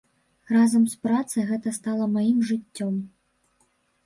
Разам з працай гэта стала маім жыццём.